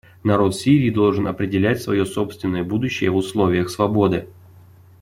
Народ Сирии должен определять свое собственное будущее в условиях свободы.